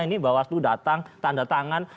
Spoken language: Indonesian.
ini bawaslu datang tanda tangan